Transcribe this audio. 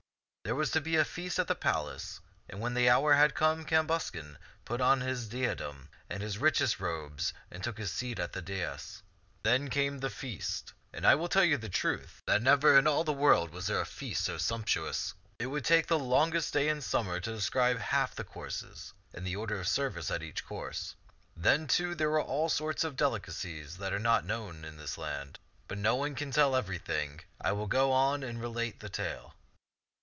There was to be a feast at the palace, and when the hour had come, Cambuscan put on his diadem and his richest robes and took his seat on the dais. Then came the feast; and I will tell you the truth, that never in all the world was there another feast so sumptuous. It would take the longest day in sum mer to describe half the courses and the order of serv ice at each course. Then, too, there were all sorts of delicacies that are not known in this land. But no one can tell everything ; I will go on and relate the tale.